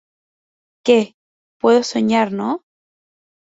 Qué, puedo soñar, ¿ no?